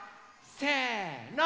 せの！